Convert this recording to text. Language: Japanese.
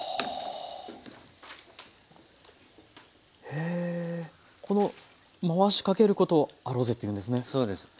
へえこの回しかけることをアロゼと言うんですね。